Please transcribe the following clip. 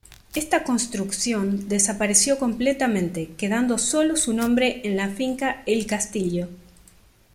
Esta construcción desapareció completamente, quedando sólo su nombre en la Finca El Castillo.